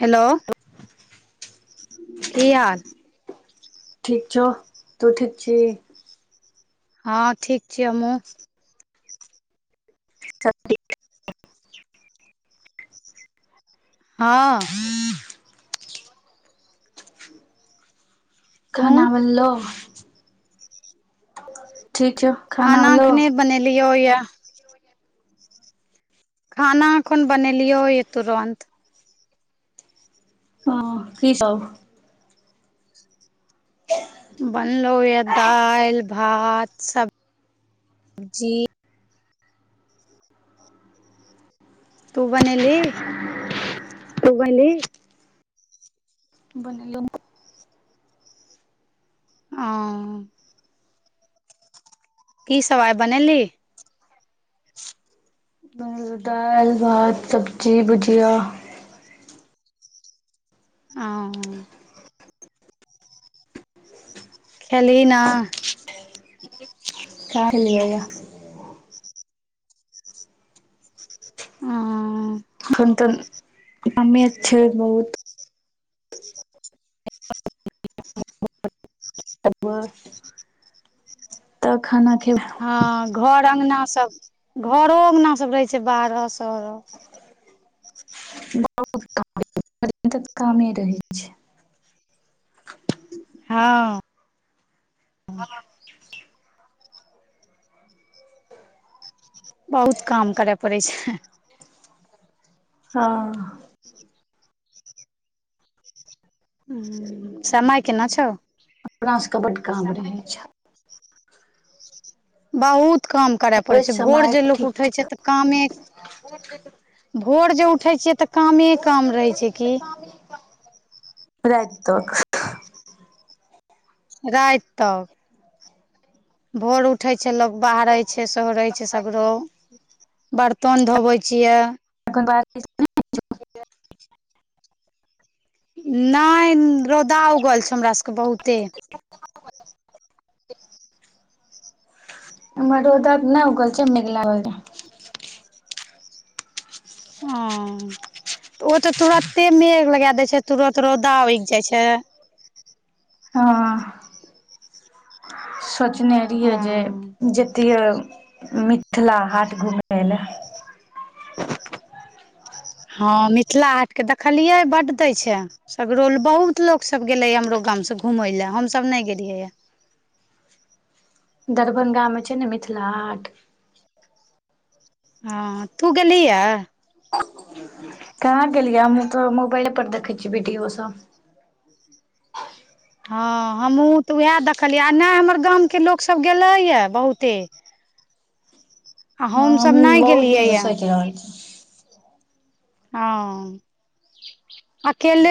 Hello की हाल ठीक छौ तू ठीक छी हँ ठीक छियै हँमू हँ तू खाना बनलौ? ठीक छौ। खाना अखने बनेलियौ यैऽ। खाना अखुन बनेलियौ ये तुरन्त। ह की सब? [unintelligible] बनलहुयैऽ दाइल, भात, सब्- जी तू बनेलही? तु [unintelligible] [unintelligible] आं- की सबआइ बनेलही? [unintelligible] दाइल, भात, सबजी, भुजिया। आंउ खेली ना? [unintelligible] हंं- अखन तन [unintelligible] छै बहुत। [unintelligible] तऽ खाना खे- हँ। घर अगना सब, घरो अंगना सब रहै छै बारो सरो [unintelligible] कामे रहै छै। हँ- हँ- बहुत काम करए पड़ै छै। हँ- समाय केना छौ? अपना सभके बड्ड काम रहै छौ। बहुत काम करए पड़ै छै, भोर समय जे लोक ठीक उठै छै तऽ कामे भोर जे उठै छियै तऽ कामे काम रहै छै की। राइत तक। राइत तक। भोर उठै छै लोक बाहरैछै सोहरै छै सगरो। बर्तन धोबै छियै। [inaudible] नै रौदा उगल छै हमरा सबके बहुते। इम्हर रौद नइ उगल छै मेग लागल रै। हं- ओतऽ तुरते मेघ लगा देय छै तुरत रौदा उइग जाइ छै। हँ- सोचने रियै जे हँ जतियै मिथिला हाट घुमै लए। हँ मिथिला हाटके देखलियै बड्ड दै छै। सगरो ल-बहुत लोक सब गेलेयैऽहमरो गामस घुमै लय, हम सब न गेलियैयैऽ। दरभंगामे छैय ने मिथिला हाट हा, तु गेलीहेऽ? कहां गेलियैऽ हमहुं तऽ मोबइले पर देखैय छियै वीडियो सब। ह हमहु तऽ उएह देखलियै, आ नै हमर गामके लोकसब गेलैय य बहुते। आ ह हमसभ हमहूं नहि बहुत दिनसँ गेलियैए सोचि रहल छि। हां अकेले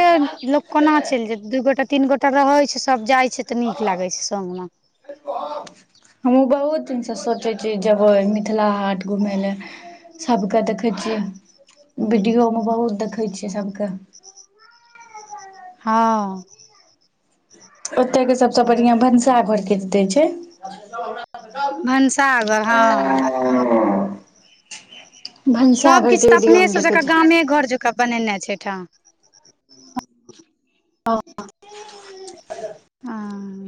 लोक कोना चलि जेतैय दु गोटा तीन गोटा रहैय छैय, सब जाइ छैय तऽ नीक लागैय छैय संग में। हमहु बहुत दिनस सोचैय छियै जेबै मिथिला हाट घुमय लऽ। सबके देखैय छियै, वीडियो मे बहुत देखै छियै सबके। हां। ओतयके सबसे बढ़िया भनसाघरके दैय छैय। भनसाघर हां। भनसाघरके विडियो हम देखे छिये। कप नेनेय छैय अइ ठाम। हां।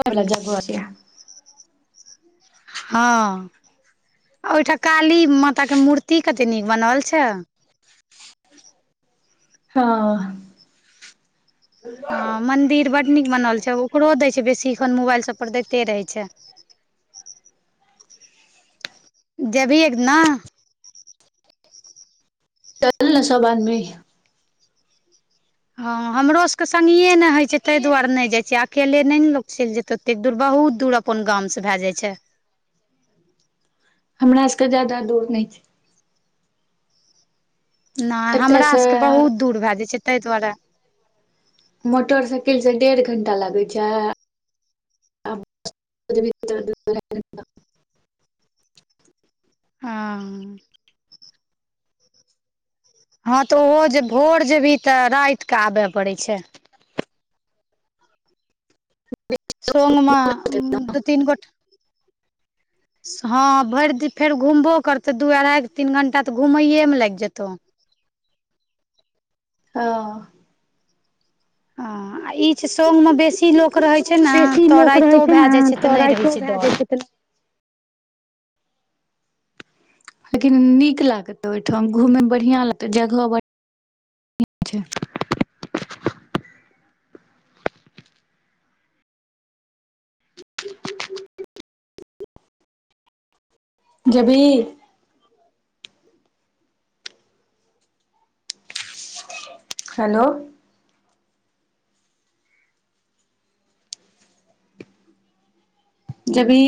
घर लग जगह छै आब। हा ओहिठाम काली माताके मूर्ति कते नीक बनाओल छैय। हां। हां मंदिर बड्ड नीक बनल छैय, ओकरो दैय छैय बेसी एखन मोबाइल सब पर दैते रहैय छैय। जेबही एक दिना। चल नऽ सब आदमी। ह हमरो सबके संगीए नै होय छैय, ताहि दुआरे नै जाइत छियै, अकेले नै नऽ लोक चलिऽ जेतैय ओत ते एतेक दूर बहुत दूर अपन गाम से भाय जाय छैय। हमरा सबके ज्यादा दूर नै छैय। नै एतय हमरा से सबके बहुत दूर भए जाइ छैय ताहि दुआरे। मोटरसाइकिल स डेढ़ घंटा लागेय छैय। [inaudible] हांऽ। ह तऽ ओहो जे भोर जेबही तऽ रातिके आबय पड़ैय छैय। संगमे दु- तीन गोट ह भरि दिन फेर घुमबो करतय, दु- अढ़ाइ तीन घंटा तऽ घुमैयैमे लागि जेतौ। हांऽ। ह आ इ छैय संग मे बेसी लोक रहेय छैय ने, बेसी तऽ लोक रहै राइतो छै भैऽ ने जाय छैय तऽ नै रहेय राइतो छैय भए जाइ डर। छै तऽ [inaudible] लेकिन नीक लागत ओहिठाम, घुमेय मे बढ़िया लगत जगह बढ यां छैय। जेबिही? हेलो। जेबिही?